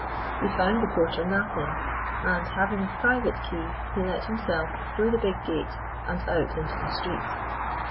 He found the porter napping, and, having a private key, he let himself through the big gate and out into the street.